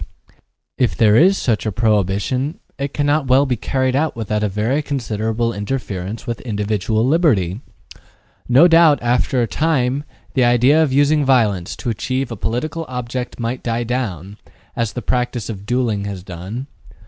Yet, if there is such a prohibition, it cannot well be carried out without a very considerable interference with individual liberty. No doubt, after a time, the idea of using violence to achieve a political object might die down, as the practice of duelling has done.